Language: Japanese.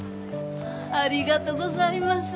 ありがとうございます。